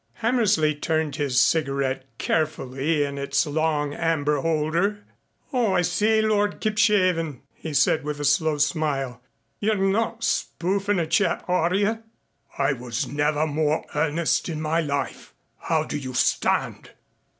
Hammersley turned his cigarette carefully in its long amber holder. "Oh, I say, Lord Kipshaven," he said with a slow smile, "you're not spoofing a chap, are you?" "I was never more in earnest in my life. How do you stand?"